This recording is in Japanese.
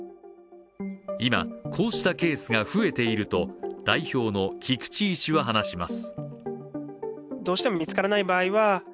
今、こうしたケースが増えていると代表の菊池医師は話します。